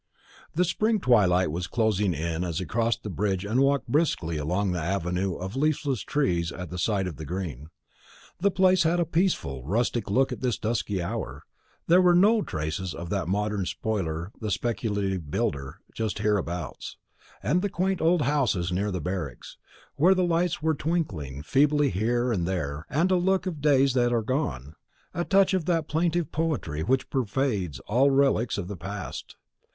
The spring twilight was closing in as he crossed the bridge and walked briskly along an avenue of leafless trees at the side of the green. The place had a peaceful rustic look at this dusky hour. There were no traces of that modern spoiler the speculative builder just hereabouts; and the quaint old houses near the barracks, where lights were twinkling feebly here and there, had a look of days that are gone, a touch of that plaintive poetry which pervades all relics of the past.